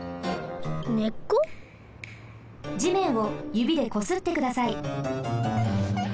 じめんをゆびでこすってください。